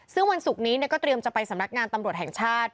ซึ่งวันศุกร์นี้ก็เตรียมจะไปสำนักงานตำรวจแห่งชาติ